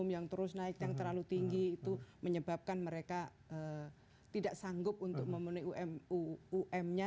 yang terus naik yang terlalu tinggi itu menyebabkan mereka tidak sanggup untuk memenuhi um nya